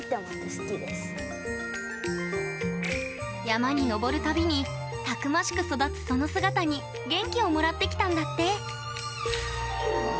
山に登るたびにたくましく育つ、その姿に元気をもらってきたんだって。